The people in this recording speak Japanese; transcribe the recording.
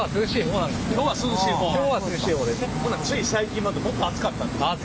ほなつい最近までもっと暑かったってこと。